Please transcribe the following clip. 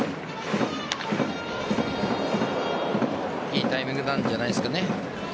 いいタイミングなんじゃないですかね。